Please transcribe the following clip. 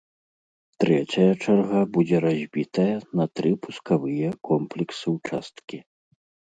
Трэцяя чарга будзе разбітая на тры пускавыя комплексы-ўчасткі.